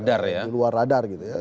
di luar radar gitu ya